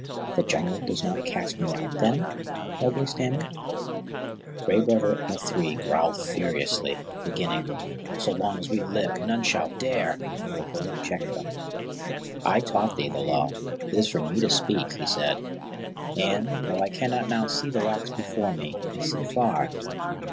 "The Jungle does not cast me out, then?" Mowgli stammered. Gray Brother and the Three growled furiously, beginning, "So long as we live none shall dare " But Baloo checked them. "I taught thee the Law. It is for me to speak," he said; "and, though I cannot now see the rocks before me, I see far.